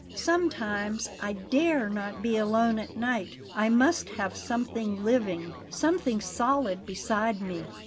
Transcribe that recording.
Sometimes I DARE not be alone at night. I must have something living something solid beside me.